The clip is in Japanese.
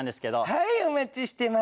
はいお待ちしてました。